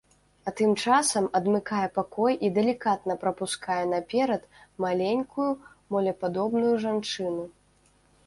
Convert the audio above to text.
А тым часам адмыкае пакой і далікатна прапускае наперад маленькую молепадобную жанчыну.